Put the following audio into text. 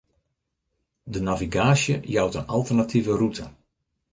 De navigaasje jout in alternative rûte.